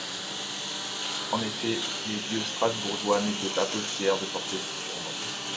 En effet, les vieux Strasbourgeois n'étaient pas peu fiers de porter ce surnom.